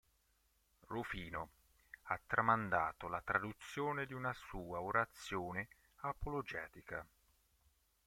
Rufino ha tramandato la traduzione di una sua orazione apologetica.